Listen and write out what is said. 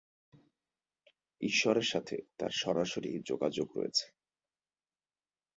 ঈশ্বরের সাথে তার সরাসরি যোগাযোগ রয়েছে।